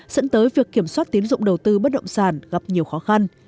dẫn tới việc kiểm soát tiến dụng đầu tư bất động sản gặp nhiều khó khăn